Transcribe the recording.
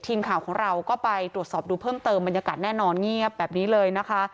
ทีมข่าวของเราก็ไปตรวจสอบดูเพิ่มเติมบรรยากาศแน่นอนเงียบแบบนี้เลยนะคะ